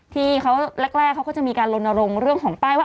ที่เขาแรกเขาก็จะมีการลนรงค์เรื่องของป้ายว่า